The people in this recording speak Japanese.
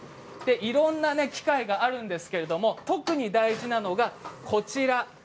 いろんな機械があるんですけれど特に大事なのが、こちらです。